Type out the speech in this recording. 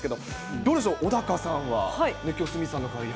どうでしょう、小高さんはきょう、鷲見さんの代わりに。